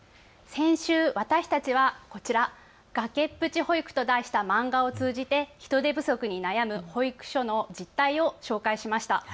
先週、私たちはこちら崖っぷち保育と題した漫画を通じて人手不足に悩む保育所の実態を紹介しました。